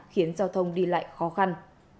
khiến giao thông đi lại khó khăn